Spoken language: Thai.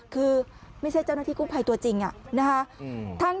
คือไม่ใช่เจ้าหน้าที่กู้ภัยตัวจริงนะคะ